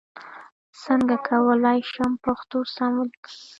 څنګه کولای شم پښتو سم ولیکم ؟